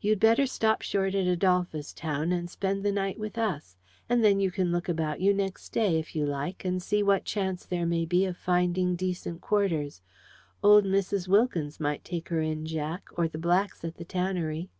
You'd better stop short at Adolphus Town and spend the night with us; and then you can look about you next day, if you like, and see what chance there may be of finding decent quarters. Old Mrs. Wilkins might take her in, Jack, or the Blacks at the tannery."